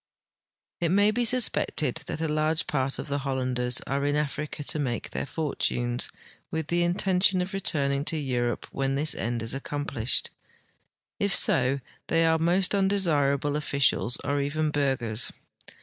It may be suspected that a large part of the Hollanders are in Africa to make their fortunes, with the intention of returning to Europe when this end is accomplished. If so, they are most undesirable officials or even burghers.